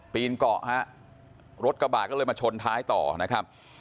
นเกาะฮะรถกระบะก็เลยมาชนท้ายต่อนะครับ